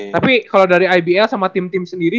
tapi kalau dari ibl sama tim tim sendiri